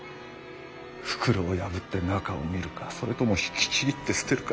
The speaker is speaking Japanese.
袋を破って中を見るかそれとも引きちぎって捨てるか。